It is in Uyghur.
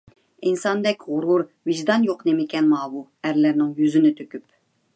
ئىنساندەك غۇرۇر، ۋىجدان يوق نېمىكەن ماۋۇ! ئەرلەرنىڭ يۈزىنى تۆكۈپ.